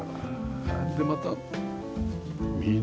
でまた緑。